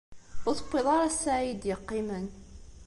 Ur tewwiḍ ara ssaɛa ay d-yeqqimen.